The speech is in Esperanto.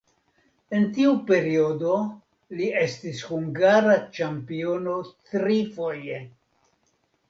En tiu periodo li estis hungara ĉampiono trifoje.